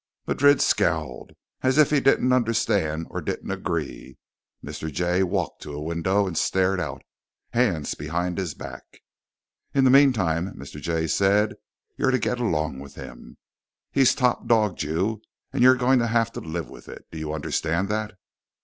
Madrid scowled, as if he didn't understand or didn't agree. Mr. Jay walked to a window and stared out, hands behind his back. "In the meantime," Mr. Jay said, "you're to get along with him. He's top dogged you, and you're going to have to live with it. Do you understand that?"